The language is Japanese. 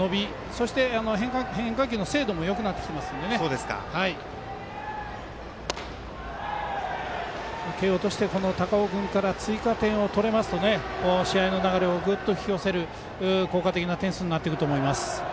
そして、変化球の精度もよくなってきていますので慶応としては高尾君から追加点を取れますと試合の流れをぐっと引き寄せる効果的な点数になってくると思います。